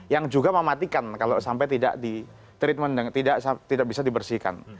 yang juga mematikan kalau sampai tidak di treatment tidak bisa dibersihkan